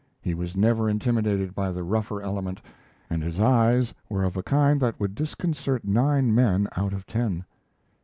He was never intimidated by the rougher element, and his eyes were of a kind that would disconcert nine men out of ten.